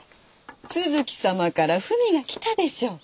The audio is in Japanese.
都築様から文が来たでしょう？